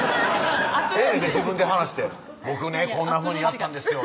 ええねんで自分で話して「僕ねこんなふうにやったんです」